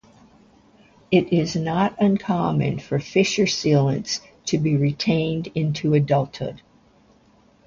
It is not uncommon for fissure sealants to be retained into adulthood.